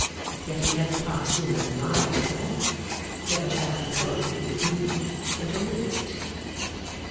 Yet he never passed in at my door never sat in colloquy with me until midnight.